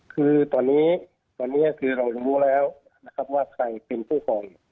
คือตอนนี้เรารู้แล้วว่าใครเป็นผู้ห่วง